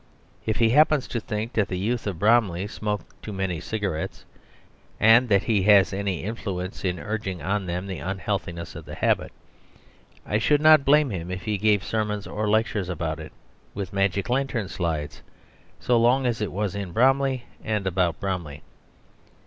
If he happens to think that the youth of Bromley smoke too many cigarettes, and that he has any influence in urging on them the unhealthiness of the habit, I should not blame him if he gave sermons or lectures about it (with magic lantern slides), so long as it was in Bromley and about Bromley.